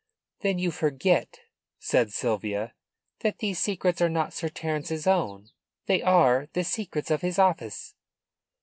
"Then you forget," said Sylvia, "that these secrets are not Sir Terence's own. They are the secrets of his office."